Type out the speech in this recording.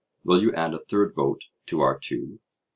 —will you add a third vote to our two?